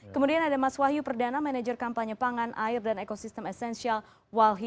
kemudian ada mas wahyu perdana manager kampanye pangan air dan ecosystem essentials walhi